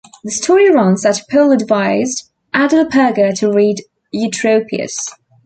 The story runs that Paul advised Adelperga to read Eutropius.